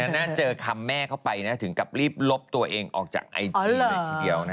น่าเจอคำแม่เข้าไปถึงกับรีบลบตัวเองออกจากไอจีเลยทีเดียว